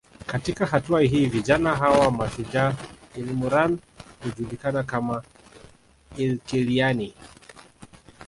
Katika hatua hii vijana hawa mashujaa ilmurran hujulikana kama Ilkiliyani